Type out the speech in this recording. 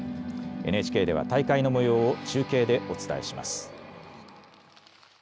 ＮＨＫでは大会のもようを中継でお伝えします。